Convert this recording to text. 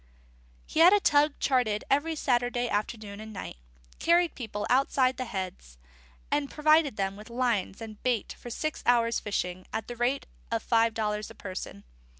_ He had a tug chartered every Saturday afternoon and night, carried people outside the Heads, and provided them with lines and bait for six hours' fishing, at the rate of five dollars a person.